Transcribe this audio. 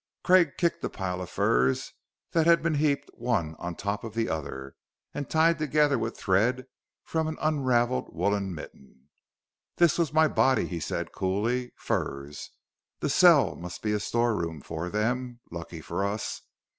Craig kicked a pile of furs that had been heaped one on top of the other, and tied together with thread from an unraveled woolen mitten. "This was my body," he said coolly. "Furs. The cell must be a storeroom for them lucky for us.